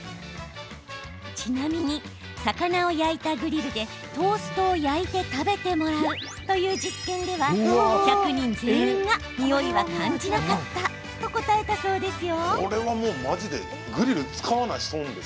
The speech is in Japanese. ちなみに、魚を焼いたグリルでトーストを焼いて食べてもらうという実験では１００人全員がにおいは感じなかったと答えたそうですよ。